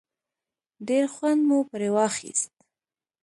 ډېر خوند مو پرې واخیست.